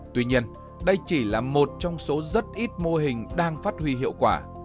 tuy nhiên đây chỉ là một trong số rất ít mô hình đang phát huy hiệu quả